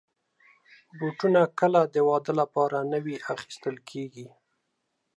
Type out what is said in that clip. بوټونه کله د واده لپاره نوي اخیستل کېږي.